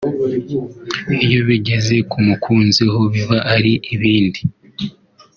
Iyo bigeze ku mukunzi ho biba ari ibindi